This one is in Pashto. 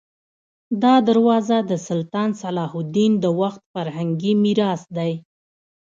دا دروازه د سلطان صلاح الدین د وخت فرهنګي میراث دی.